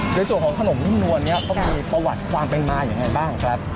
ในส่วนของขนมนิ่มนวลนี่ต้องมีประวัติวางไปมาอย่างไรบ้างครับ